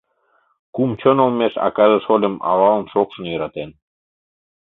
Кум чон олмеш акаже шольым Алалын-шокшын йӧратен.